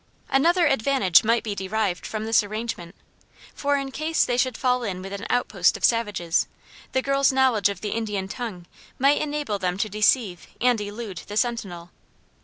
Another advantage might be derived from this arrangement, for in case they should fall in with an outpost of savages, the girl's knowledge of the Indian tongue might enable them to deceive and elude the sentinel.